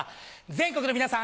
全国の皆さん